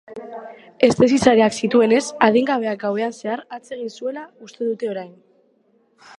Heste zizareak zituenez, adingabeak gauean zehar hatz egin zuela uste dute orain.